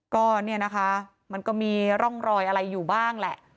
ก็เนี่ยนะคะมันก็มีร่องรอยอะไรอยู่บ้างแหละ